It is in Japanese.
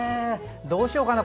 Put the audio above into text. どうしようかな